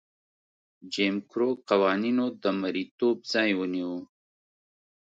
جیم کرو قوانینو د مریتوب ځای ونیو.